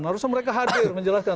harusnya mereka hadir menjelaskan